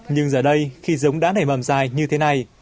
nhưng giờ đây khi giống đã nảy mầm dài như thế này